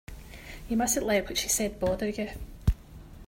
You mustn't let what she said bother you.